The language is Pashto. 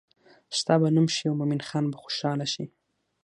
ستا به نوم شي او مومن خان به خوشحاله شي.